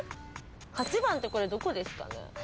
８番ってどこですかね？